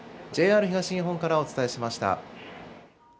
ＪＲ東日本からお伝えしました。